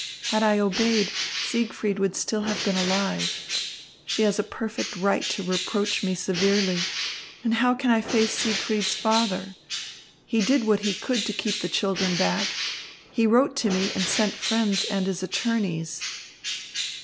Had I obeyed, Siegfried would still have been alive. She has a perfect right to reproach me severely. And how can I face Siegfried's father? He did what he could to keep the children back. He wrote to me and sent friends and his attorneys."